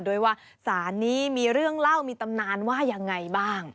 ด้วยว่าสารนี้มีเรื่องเล่ามีตำนานว่ายังไงบ้าง